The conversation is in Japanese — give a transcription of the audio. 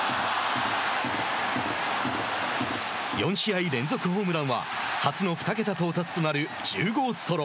４試合連続ホームランは初の２桁到達となる１０号ソロ。